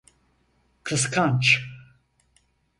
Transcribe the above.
Kıskanç.